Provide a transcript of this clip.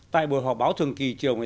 tại buổi họp báo thường kỳ chiều